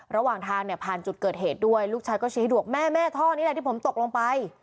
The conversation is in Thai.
ระหว่างทางเนี่ยผ่านจุดเกิดเหตุด้วยลูกชายก็ชี้ดวกแม่แม่ท่อนี้แหละที่ผมตกลงไป